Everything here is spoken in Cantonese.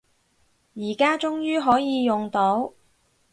而家終於可以用到